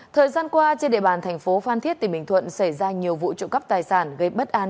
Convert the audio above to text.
thời gian qua trên địa bàn thành phố phan thiết tỉnh bình thuận xảy ra nhiều vụ trộm cắp tài sản gây bất an